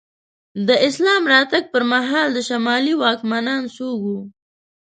د اسلام راتګ پر مهال د شمالي واکمنان څوک وو؟